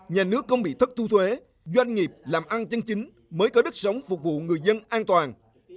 nhà nước không bị thất thu thuế doanh nghiệp làm ăn chân chính mới có đất sống phục vụ người dân an toàn